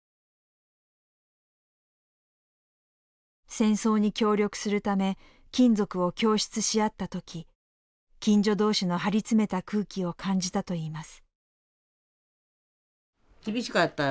戦争に協力するため金属を供出し合った時近所同士の張り詰めた空気を感じたといいます。